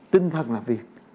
tinh thần làm việc